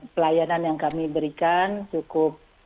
pelayanan yang kami berikan cukup